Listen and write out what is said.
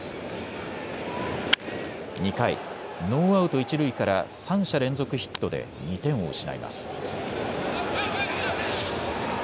２回、ノーアウト一塁から３者連続ヒットで２点を失います。